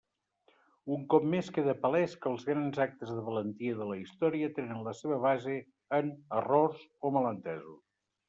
Un cop més queda palès que els grans actes de valentia de la història tenen la seva base en errors o malentesos.